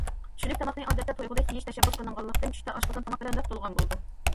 چۈشلۈك تاماقنى ئادەتتە تويغۇدەك يېيىش تەشەببۇس قىلىنغانلىقتىن، چۈشتە ئاشقازان تاماق بىلەن لىق تولغان بولىدۇ.